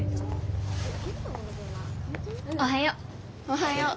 おはよう。